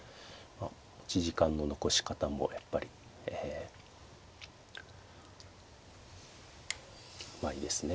持ち時間の残し方もやっぱりえうまいですね。